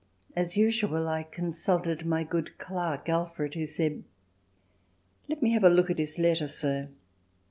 As usual, I consulted my good clerk, Alfred, who said: "Let me have a look at his letter, sir."